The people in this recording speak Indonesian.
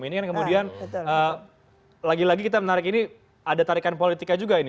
ini kan kemudian lagi lagi kita menarik ini ada tarikan politika juga ini